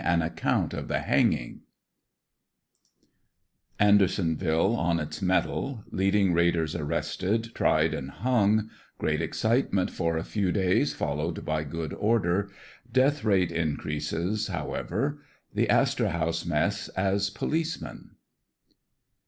THE RAIDERS PUT DOWN, ANDERSONVILLE ON ITS METAL — LEADING RAIDERS ARRESTED, TRIED AND HUNG — GREAT EXCITEMENT FOR A FEW DAYS, FOL LOWED BY GOOD ORDER — DEATH RATE INCREASES, HOWEVER — THE ASTOR HOUSE MESS AS POLICEMEN.